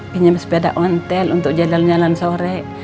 pinjam sepeda ontel untuk jalan jalan sore